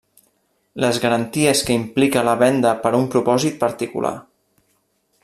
Les garanties que implica la venda per a un propòsit particular.